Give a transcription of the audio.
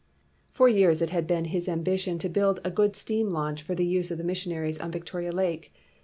For years it had been his ambition to build a good steam launch for the use of the missionaries on Victoria Lake.